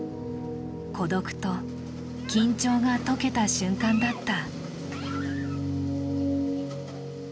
孤独と緊張が解けた瞬間だった。